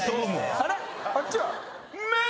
あっちは？